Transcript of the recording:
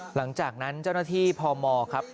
หลังจากนั้นเจ้าหน้าที่พมครับ